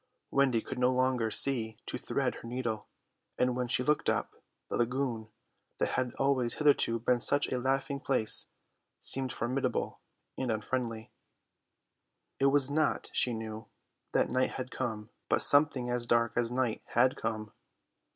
Wendy could no longer see to thread her needle, and when she looked up, the lagoon that had always hitherto been such a laughing place seemed formidable and unfriendly. It was not, she knew, that night had come, but something as dark as night had come.